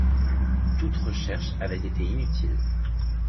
Toutes recherches avaient été inutiles.